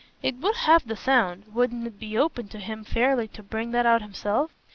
It would have the sound wouldn't it be open to him fairly to bring that out himself?